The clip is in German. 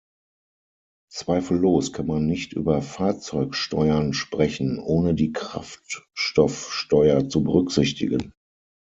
Zweifellos kann man nicht über Fahrzeugsteuern sprechen, ohne die Kraftstoffsteuer zu berücksichtigen.